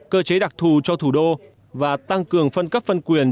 cơ chế đặc thù cho thủ đô và tăng cường phân cấp phân quyền